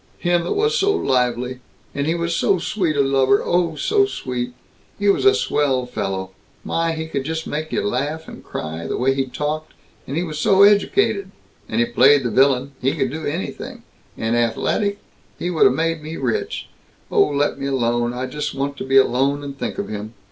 Him that was so lively! And he was so sweet a lover, oh, so sweet. He was a swell fellow; my, he could just make you laugh and cry, the way he talked; and he was so educated, and he played the vi'lin he could do anything and athaletic he would have made me rich. Oh, let me alone. I just want to be alone and think of him.